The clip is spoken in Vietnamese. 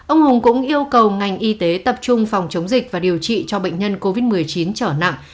ông hùng cũng yêu cầu ngành y tế tập trung phòng chống dịch và điều trị cho bệnh nhân covid một mươi chín trở nặng